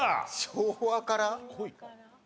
昭和から？